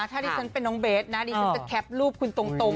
ถ้าดิฉันเป็นน้องเบซนะดิฉันแคปรูปของคุณตรงตรง